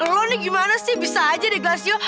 lo nih gimana sih bisa aja deh lesyu